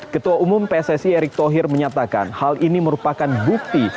ketua umum pssi erick thohir menyatakan hal ini merupakan bukti